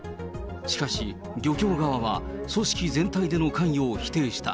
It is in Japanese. しかし漁協側は、組織全体での関与を否定した。